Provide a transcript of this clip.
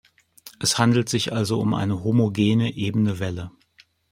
Es handelt sich also um eine "homogene" ebene Welle.